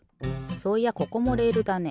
そういやここもレールだね。